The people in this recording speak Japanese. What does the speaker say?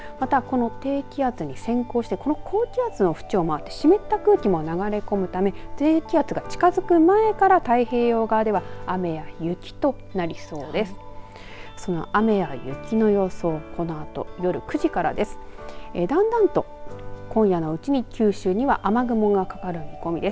低気圧に先行して高気圧のふちを回って湿った空気も流れ込むため低気圧が近づく前にも太平洋側雨や雪となりそうです。